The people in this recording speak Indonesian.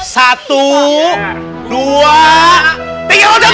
satu dua tiga lompat pak d